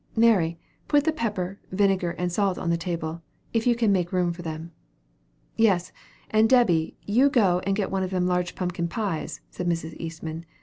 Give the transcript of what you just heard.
Mary, put the pepper, vinegar, and salt on the table, if you can make room for them." "Yes; and Debby, you go and get one of them large pumpkin pies," said Mrs. Eastman.